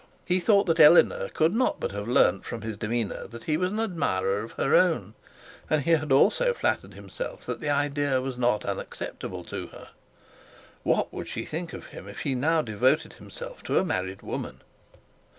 He thought that Eleanor could not but have learnt from his demeanour that he was an admirer of her own, and he had also flattered himself that the idea was not unacceptable to her. What would she think of him if he now devoted himself to a married woman?